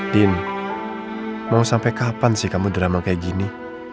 din mau sampai kapan sih kamu drama kayak gini